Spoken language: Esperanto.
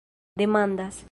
demandas